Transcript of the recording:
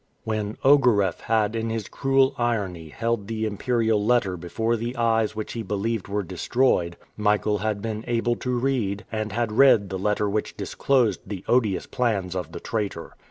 When Ogareff had in his cruel irony held the Imperial letter before the eyes which he believed were destroyed, Michael had been able to read, and had read the letter which disclosed the odious plans of the traitor.